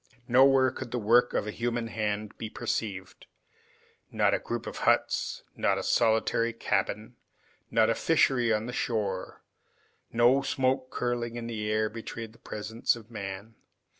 Nowhere could the work of a human hand be perceived. Not a group of huts, not a solitary cabin, not a fishery on the shore. No smoke curling in the air betrayed the presence of man.